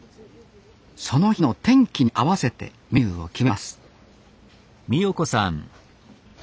その日の天気に合わせてメニューを決めます